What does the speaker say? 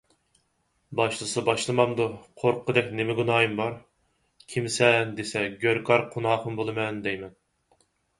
باشلىسا باشلىمامدۇ، قورققۇدەك نېمە گۇناھىم بار. «كىمسەن؟» دېسە، «گۆركار قۇناخۇن بولىمەن» دەيمەن...